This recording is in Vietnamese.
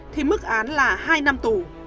thì mức án là hai năm tù